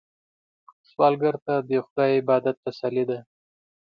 سوالګر ته د خدای عبادت تسلي ده